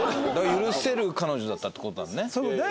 許せる彼女だったって事だもんね。